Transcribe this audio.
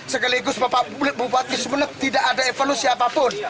sekaligus bapak bupati sumeneb tidak ada evolusi apapun